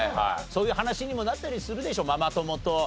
そういう話にもなったりするでしょママ友と。